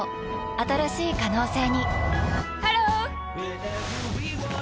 新しい可能性にハロー！